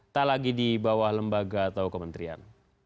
tak lagi di bawah lembaga atau kementerian